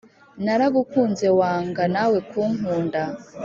naragukunze wanga nawe kunkunda